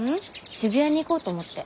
渋谷に行こうと思って。